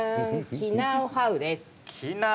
キナオハウです。